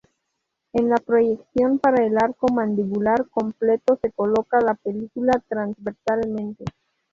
En la proyección para el arco mandibular completo se coloca la película transversalmente.